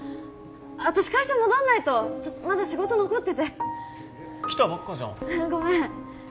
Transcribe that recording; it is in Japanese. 私会社戻んないとまだ仕事残ってて来たばっかじゃんごめん